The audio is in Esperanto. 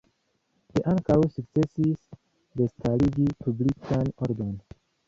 Li ankaŭ sukcesis restarigi publikan ordon.